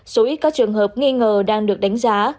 số ít các trường hợp nghi ngờ đang được đánh giá